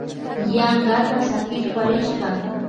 Yankata sakishpa rishka